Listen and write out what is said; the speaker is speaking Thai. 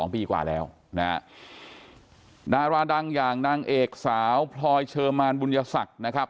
ปีกว่าแล้วนะฮะดาราดังอย่างนางเอกสาวพลอยเชอร์มานบุญยศักดิ์นะครับ